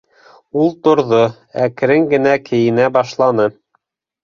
Ул торҙо, әкрен генә кейенә башланы.